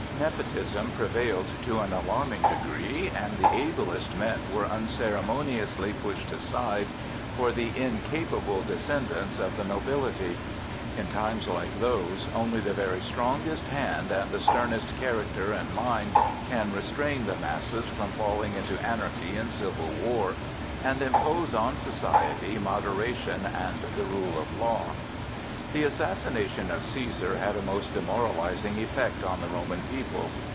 Nepotism prevailed to an alarming degree, and the ablest men were unceremoniously pushed aside for the incapable descendants of the nobility. In times like those, only the very strongest hand and the sternest character and mind can restrain the masses from falling into anarchy and civil war, and impose on society moderation and the rule of law. The assassination of Cæsar had a most demoralizing effect on the Roman people.